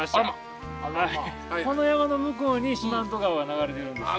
はいこの山の向こうに四万十川が流れているんですって。